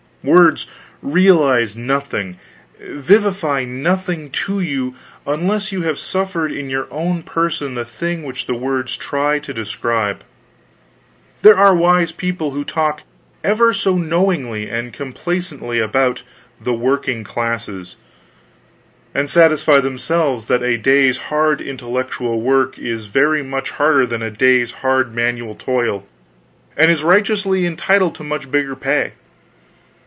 Words realize nothing, vivify nothing to you, unless you have suffered in your own person the thing which the words try to describe. There are wise people who talk ever so knowingly and complacently about "the working classes," and satisfy themselves that a day's hard intellectual work is very much harder than a day's hard manual toil, and is righteously entitled to much bigger pay.